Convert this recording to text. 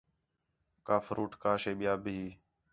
کا فروٹ کا شے ٻِیا بھی